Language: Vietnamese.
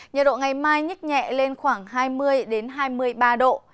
nhiệt độ ngày mai nhích nhẹ lên khoảng hai mươi hai mươi ba độ